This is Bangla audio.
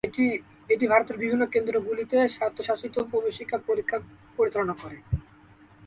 এটি ভারতের বিভিন্ন কেন্দ্রগুলিতে স্বায়ত্তশাসিত প্রবেশিকা পরীক্ষা পরিচালনা করে।